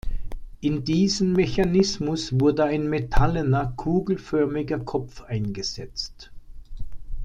In diesen Mechanismus wurde ein metallener, kugelförmiger Kopf eingesetzt.